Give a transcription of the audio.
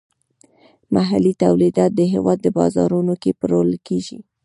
محلي تولیدات د هیواد په بازارونو کې پلورل کیږي.